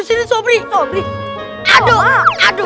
slope nomor yang pertama tadi